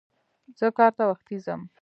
زه کار ته وختي ځم.